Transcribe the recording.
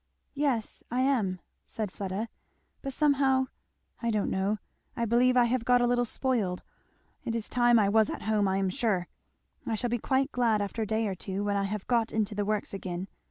"Yes I am," said Fleda, "but somehow I don't know I believe I have got a little spoiled it is time I was at home I am sure. I shall be quite glad after a day or two, when I have got into the works again.